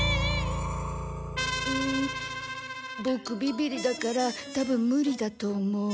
んんボクビビリだからたぶんムリだと思う。